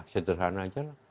sederhana aja lah